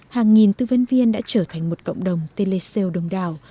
hàng nghìn tư vấn viên đã trở thành một cộng đồng telecell đồng đảo